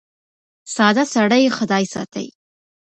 ساده سړی خدای ساتي .